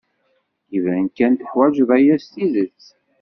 Iban kan teḥwajed aya s tidet.